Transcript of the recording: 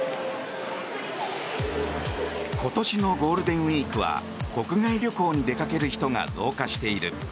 今年のゴールデンウィークは国外旅行に出かける人が増加している。